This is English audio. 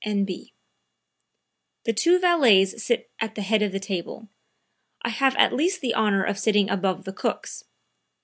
N.B. The two valets sit at the head of the table; I have at least the honor of sitting above the cooks.